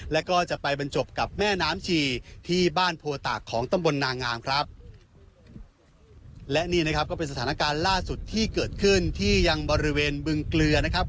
แล้วก็จะไปบรรจบกับแม่น้ำชีที่บ้านโพตากของตำบลนางามครับและนี่นะครับก็เป็นสถานการณ์ล่าสุดที่เกิดขึ้นที่ยังบริเวณบึงเกลือนะครับ